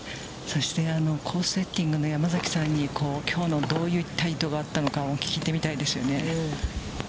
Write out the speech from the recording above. そして、コースセッティングの山崎さんにきょうのどういった意図があったのかも、聞いてみたいですよね。